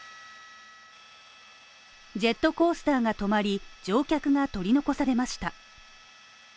ジェットコースターが止まり、乗客が取り残されました。